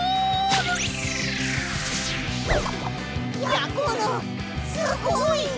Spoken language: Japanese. やころすごい！